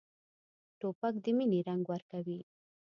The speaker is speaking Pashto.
توپک د مینې رنګ ورکوي.